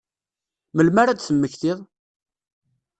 Melmi ara ad temmektiḍ?